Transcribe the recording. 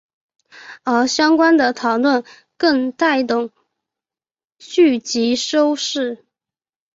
而相关的讨论更带动剧集收视。